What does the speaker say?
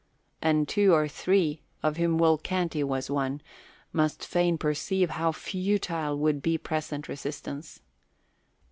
And two or three, of whom Will Canty was one, must fain perceive how futile would be present resistance.